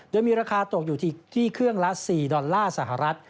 โดยมีราคาตกอยู่ที่เครื่องละ๔ดอลลาร์สหรัฐ